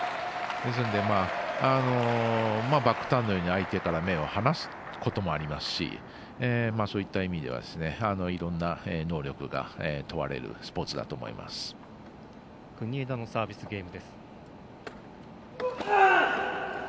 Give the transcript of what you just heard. ですのでバックターンのように相手から目を離すこともありますしそういった意味ではいろんな能力が問われる国枝のサービスゲーム。